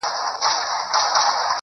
موضوعاتو یادونه څه اړتیا لري